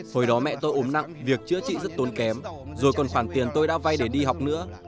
hồi đó mẹ tôi ốm nặng việc chữa trị rất tốn kém rồi còn khoản tiền tôi đã vay để đi học nữa